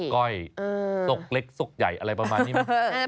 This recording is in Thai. ก้อยซกเล็กซกใหญ่อะไรประมาณนี้ไหม